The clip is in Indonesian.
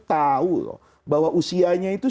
tahu loh bahwa usianya itu